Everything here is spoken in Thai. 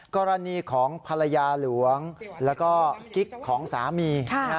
กรณีของภรรยาหลวงแล้วก็กิ๊กของสามี